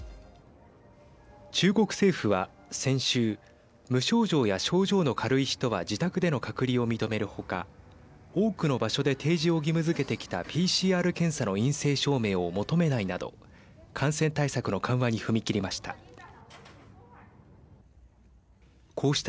中国政府は先週無症状や症状の軽い人は自宅での隔離を認める他多くの場所で提示を義務づけてきたＰＣＲ検査の陰性証明を求めないなど感染対策の緩和に踏み切りました。